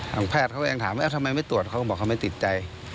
ทางแพทย์เขาก็ยังถามว่าทำไมไม่ตรวจเขาก็บอกเขาไม่ติดใจ